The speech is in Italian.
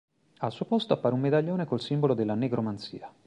Al suo posto, appare un medaglione col simbolo della negromanzia.